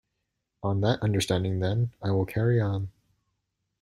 On that understanding then, I will carry on.